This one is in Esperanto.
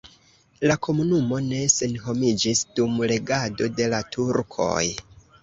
La komunumo ne senhomiĝis dum regado de la turkoj.